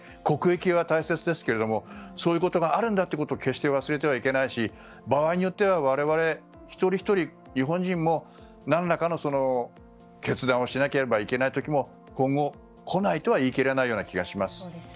国益は大切ですけどもそういうことがあるんだということも決して忘れてはいけないし場合によっては我々一人ひとり、日本人も何らかの決断をしなければいけない時も今後、来ないとは言い切れない気がします。